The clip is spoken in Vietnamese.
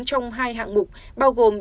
trong hai hạng mục bao gồm